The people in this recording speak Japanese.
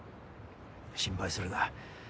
心配するな。